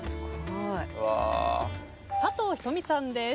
佐藤仁美さんです。